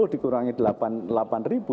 empat puluh dikurangi delapan ribu